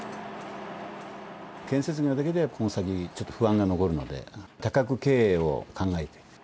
建設業だけではこの先ちょっと不安が残るので多角経営を考えて。